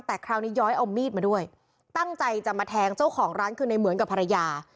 แต่คราวนี้ย้อยเอามีดมาด้วยตั้งใจจะมาแทงเจ้าของร้านคือในเหมือนกับภรรยา